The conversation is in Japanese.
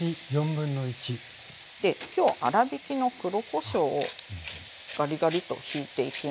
で今日粗びきの黒こしょうをガリガリと引いていきます。